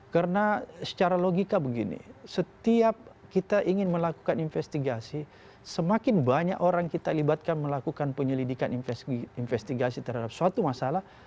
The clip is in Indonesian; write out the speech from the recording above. karena secara logika begini setiap kita ingin melakukan investigasi semakin banyak orang kita libatkan melakukan penyelidikan investigasi terhadap suatu masalah